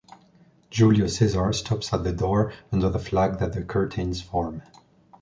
Julio César stops at the door, under the flag that the curtains form: